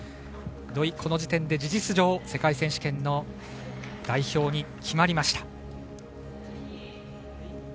土井、この時点で事実上世界選手権の代表に決まりました。